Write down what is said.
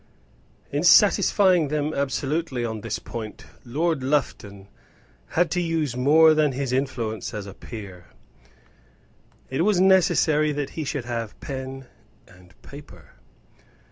In satisfying them absolutely on this point Lord Lufton had to use more than his influence as a peer. It was necessary that he should have pen and paper.